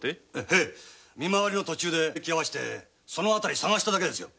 へぇ見回りの途中で行き合わしてその辺り捜しただけですよ。